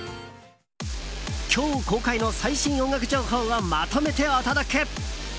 今日公開の最新音楽情報をまとめてお届け！